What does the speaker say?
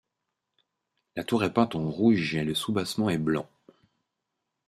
La tour est peinte en rouge et le soubassement est blanc.